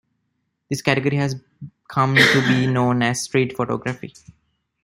This category has come to be known as street photography.